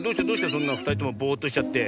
そんなふたりともボーッとしちゃって。